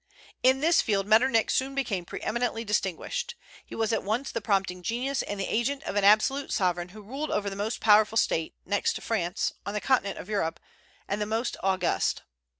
In this field Metternich soon became pre eminently distinguished. He was at once the prompting genius and the agent of an absolute sovereign who ruled over the most powerful State, next to France, on the continent of Europe, and the most august.